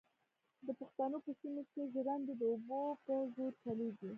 د پښتنو په سیمو کې ژرندې د اوبو په زور چلېږي.